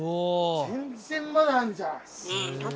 全然まだあんじゃん。